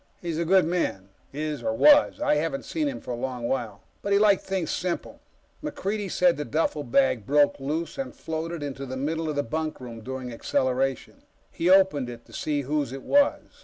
He's a good man is, or was; I haven't seen him for a long while but he liked things simple. MacReidie said the duffelbag broke loose and floated into the middle of the bunkroom during acceleration. He opened it to see whose it was.